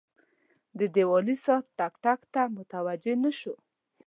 د دیوالي ساعت ټک، ټک ته متوجه نه شو.